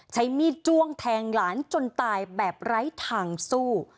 ใช้มีดจ้วงแทงหลานจนตายแบบไร้ทางสู้